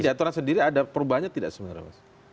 di aturan sendiri ada perubahannya tidak sebenarnya mas